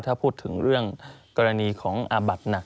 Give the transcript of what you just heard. ถ้าพูดถึงเรื่องกรณีของอาบัดหนัก